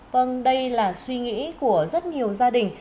vâng đây là suy nghĩ của rất nhiều gia đình